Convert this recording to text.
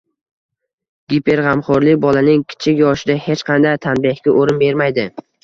Giperg‘amxo‘rlik bolaning kichik yoshida hech qanday tanbehga o‘rin bermaydi.